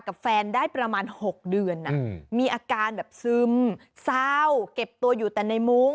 กับแฟนได้ประมาณ๖เดือนมีอาการแบบซึมเศร้าเก็บตัวอยู่แต่ในมุ้ง